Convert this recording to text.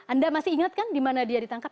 anda masih ingat kan di mana dia ditangkap